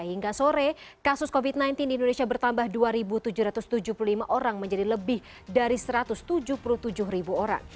hingga sore kasus covid sembilan belas di indonesia bertambah dua tujuh ratus tujuh puluh lima orang menjadi lebih dari satu ratus tujuh puluh tujuh orang